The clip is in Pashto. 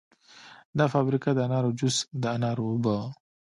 دا فابریکه د انارو جوس، د انارو اوبه